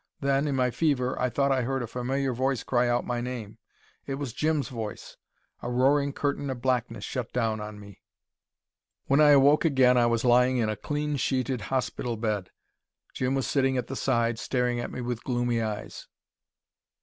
Then, in my fever, I thought I heard a familiar voice cry out my name. It was Jim's voice. A roaring curtain of blackness shut down on me. When I awoke again I was lying in a clean sheeted hospital bed. Jim was sitting at the side, staring at me with gloomy eyes.